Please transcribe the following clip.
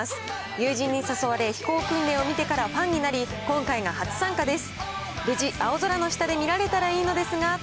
友人に誘われ飛行訓練を見てからファンになり、今回が初参観です。